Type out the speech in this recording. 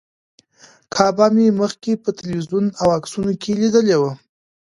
کعبه مې مخکې په تلویزیون او عکسونو کې لیدلې وه.